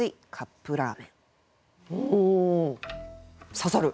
刺さる！